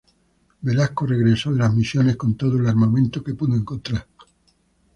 Velasco regresó de las Misiones con todo el armamento que pudo encontrar.